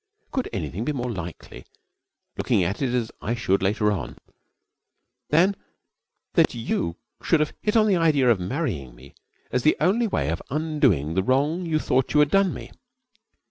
Could anything be more likely, looking at it as I should later on, than that you should have hit on the idea of marrying me as the only way of undoing the wrong you thought you had done me?